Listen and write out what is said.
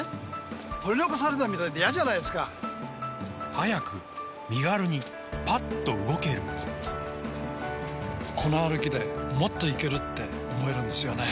早く身軽にパッと動けるこの歩きでもっといける！って思えるんですよね